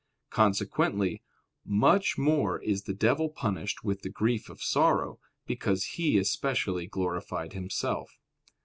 Consequently much more is the devil punished with the grief of sorrow, because he especially glorified himself.